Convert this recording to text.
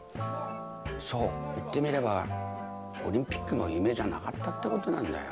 そう言ってみればオリンピックも夢じゃなかったってことなんだよ。